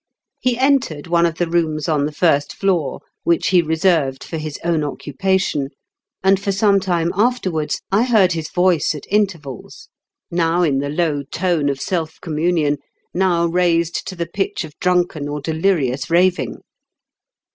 He entered one of the rooms on the first floor, which he reserved for his own occupation, aud for some time afterwards I heard his voice at intervals, now in the low tone of self com munion, now raised to the pitch of drunken or delirious raving.